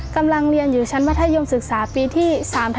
กำลังเรียนอยู่ชั้นมัธยมศึกษาปีที่๓๓